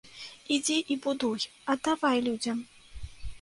Ідзі і будуй, аддавай людзям.